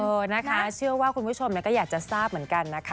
นะคะเชื่อว่าคุณผู้ชมก็อยากจะทราบเหมือนกันนะคะ